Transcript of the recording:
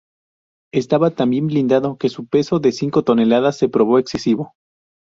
Estaba tan bien blindado que su peso de cinco toneladas se probó excesivo.